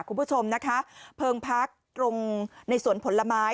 คุณผู้ชมนะคะเพลิงพักตรงในสวนผลไม้